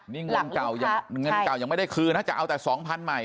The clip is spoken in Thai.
นี่เงินเก่ายังไม่ได้คืนถ้าจะเอาแต่๒๐๐๐ใหม่